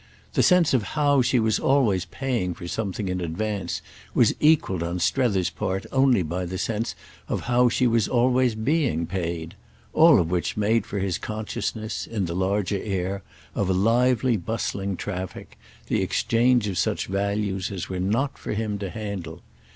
The sense of how she was always paying for something in advance was equalled on Strether's part only by the sense of how she was always being paid; all of which made for his consciousness, in the larger air, of a lively bustling traffic, the exchange of such values as were not for him to handle.